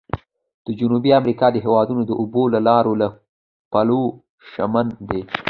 د جنوبي امریکا هېوادونه د اوبو د لارو له پلوه شمن دي.